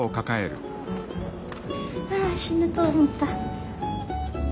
わあ死ぬと思った。